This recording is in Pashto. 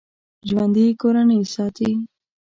ژوندي کورنۍ ساتي